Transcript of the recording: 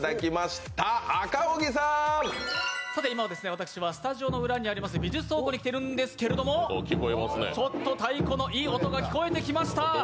私はスタジオの裏にあります、美術倉庫に来ているんですけどちょっと太鼓のいい音が聞こえてきました。